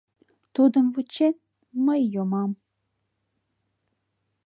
— Тудым вучен, мый йомам...